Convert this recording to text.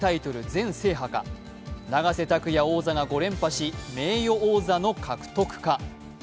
全制覇か、永瀬拓矢王座が５連覇し名誉王座の獲得か。